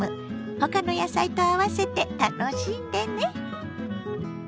ほかの野菜と合わせて楽しんでね。